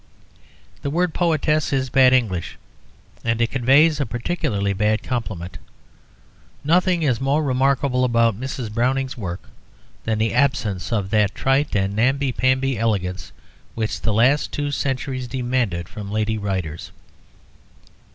The word poetess is bad English, and it conveys a particularly bad compliment. Nothing is more remarkable about Mrs. Browning's work than the absence of that trite and namby pamby elegance which the last two centuries demanded from lady writers.